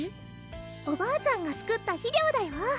おばあちゃんが作った肥料だよ